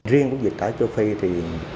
riêng với dịch tả châu phi thì